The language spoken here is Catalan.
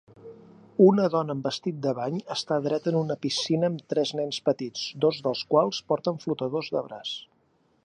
Una dona amb vestit de bany està dreta en un una piscina amb tres nens petits, dos dels quals porten flotadors de braç.